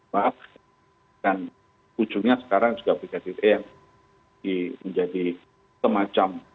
bahkan ujungnya sekarang juga brigadir e yang menjadi semacam